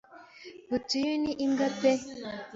Butuyu ni imbwa pe